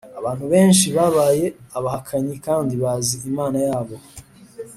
abantu benshi babaye abahakanyi kandi bazi imana yabo